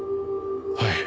はい。